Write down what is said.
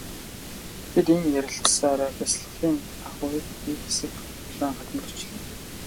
Бид ийн ярилцсаар бясалгалын агуй бүхий хэсэг улаан хаданд очлоо.